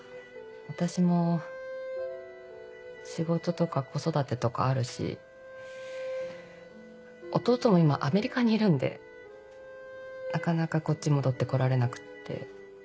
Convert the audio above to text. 私も仕事とか子育てとかあるし弟も今アメリカにいるんでなかなかこっち戻ってこられなくて。